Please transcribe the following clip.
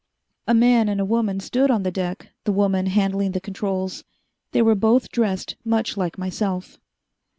A man and a woman stood on the deck, the woman handling the controls. They were both dressed much like myself.